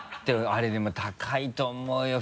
あれでも高いと思うよ？